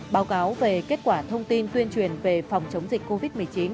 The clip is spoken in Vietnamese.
báo cáo về kết quả thông tin tuyên truyền về phòng chống dịch covid một mươi chín